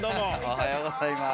おはようございます。